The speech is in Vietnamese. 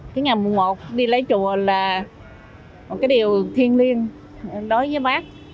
cái ngày mùng một đi lễ chùa là một cái điều thiên liêng đối với bác